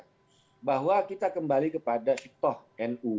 menurut saya bahwa kita kembali kepada siptoh nu